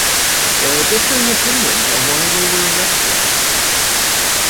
There are differing opinions on why they were erected.